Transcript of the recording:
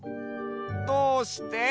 どうして？